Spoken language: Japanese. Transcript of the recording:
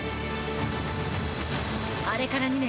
あれから２年。